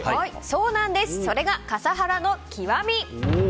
それが笠原の極み。